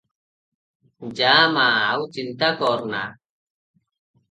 ଯା ମା, ଆଉ ଚିନ୍ତା କରନା ।"